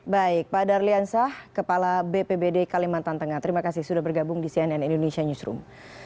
baik pak darliansah kepala bpbd kalimantan tengah terima kasih sudah bergabung di cnn indonesia newsroom